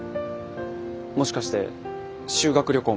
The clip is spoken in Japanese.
もしかして修学旅行も。